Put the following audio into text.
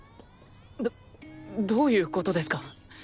どどういうことですか？